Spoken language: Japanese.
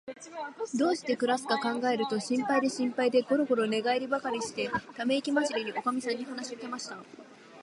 どうしてくらすかかんがえると、心配で心配で、ごろごろ寝がえりばかりして、ためいきまじりに、おかみさんに話しかけました。